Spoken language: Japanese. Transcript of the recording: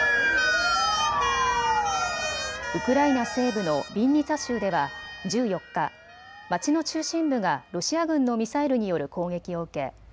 ウクライナ西部のビンニツァ州では１４日、町の中心部がロシア軍のミサイルによる攻撃を受け